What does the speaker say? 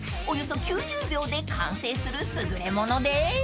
［およそ９０秒で完成する優れものです］